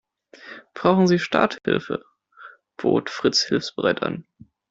Brauchen Sie Starthilfe?, bot Fritz hilfsbereit an.